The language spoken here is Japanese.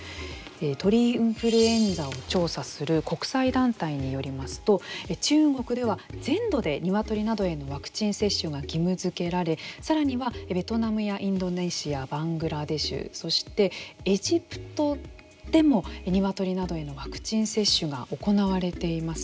鳥インフルエンザを調査する国際団体によりますと中国では全土でニワトリなどへのワクチン接種が義務づけられさらには、ベトナムやインドネシア、バングラデシュそしてエジプトでもニワトリなどへのワクチン接種が行われています。